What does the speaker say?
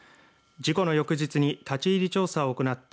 事故の翌日に立ち入り調査を行った。